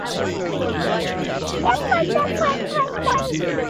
The couple has two children: daughter Rabia and son Karan.